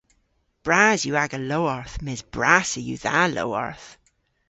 Bras yw aga lowarth mes brassa yw dha lowarth.